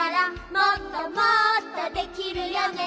「もっともっとできるよね」